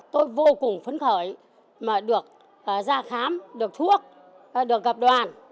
tôi vô cùng phấn khởi mà được ra khám được thuốc được gặp đoàn